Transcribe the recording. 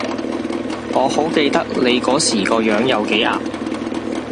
我好記得你嗰時個樣有幾淆